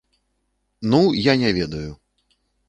Ну, я не ведаю!